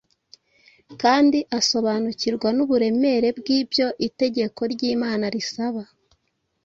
kandi asobanukirwa n’uburemere bw’ibyo itegeko ry’Imana risaba.